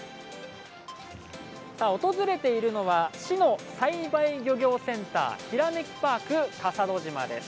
訪れているのは市の栽培漁業センターひらめきパーク笠戸島です。